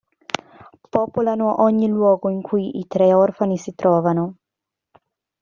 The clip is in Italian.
Popolano ogni luogo in cui i tre orfani si trovano.